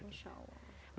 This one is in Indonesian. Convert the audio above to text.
iya insya allah